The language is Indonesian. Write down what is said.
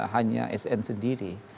hanya sn sendiri